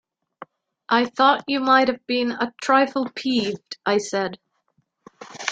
"I thought you might have been a trifle peeved," I said.